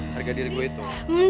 harga diri gue itu